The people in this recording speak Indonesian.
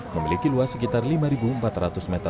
memiliki luas sekitar lima empat ratus m dua